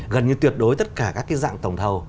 gần như tuyệt đối tất cả các cái dạng tổng thầu